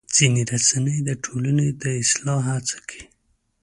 ځینې رسنۍ د ټولنې د اصلاح هڅه کوي.